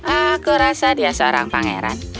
aku rasa dia seorang pangeran